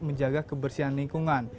menjaga kebersihan nilai